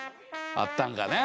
あったんかね？